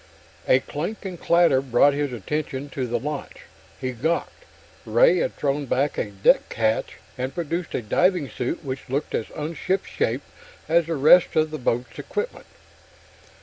A clank and clatter brought his attention to the launch. He gawked; Ray had thrown back a deck hatch and produced a diving suit which looked as un shipshape as the rest of the boat's equipment.